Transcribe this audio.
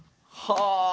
はあ！